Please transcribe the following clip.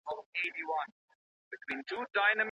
په قلم خط لیکل د موضوعاتو ترمنځ د اړیکو د پیدا کولو لاره ده.